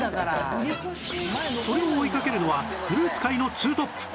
それを追いかけるのはフルーツ界のツートップ